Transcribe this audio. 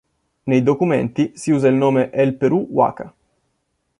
Nei documenti si usa il nome "El Perú-Waka'".